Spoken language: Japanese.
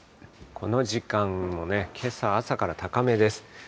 この時間も、けさ朝から高めです。